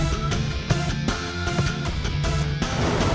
hahaha ngerti gak lu